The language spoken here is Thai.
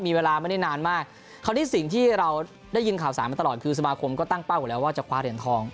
มีเวลาไม่ได้นานมากคราวนี้สิ่งที่เราได้ยินข่าวสารมาตลอดคือสมาคมก็ตั้งเป้าอยู่แล้วว่าจะคว้าเหรียญทอง